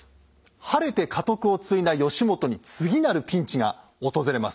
晴れて家督を継いだ義元に次なるピンチが訪れます。